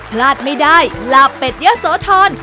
พลาดไม่ได้ลาบเป็ดยะโสธร